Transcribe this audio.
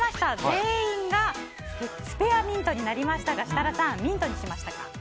全員がスペアミントになりましたが設楽さん、ミントにしましたか。